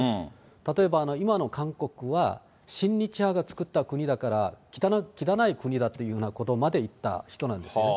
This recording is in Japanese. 例えば今の韓国は、親日派が作った国だから、汚い国だというふうなことまで言った人なんですね。